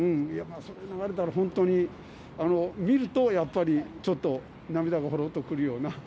それが流れたら本当に、見るとやっぱり、ちょっと涙がほろっとくるような。